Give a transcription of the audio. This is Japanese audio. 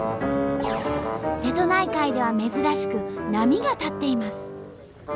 瀬戸内海では珍しく波が立っています。